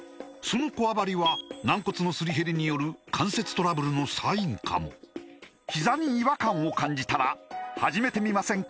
そのこわばりは軟骨のすり減りによる関節トラブルのサインかもひざに違和感を感じたら始めてみませんか